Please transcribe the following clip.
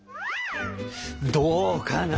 どうかな。